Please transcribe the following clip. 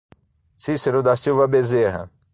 Cicero da Silva Bezerra